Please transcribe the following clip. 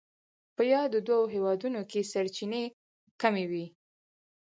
په یادو دوو هېوادونو کې سرچینې کمې وې.